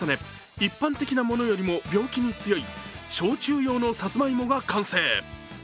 一般的なものよりも病気に強い焼酎用のサツマイモが完成。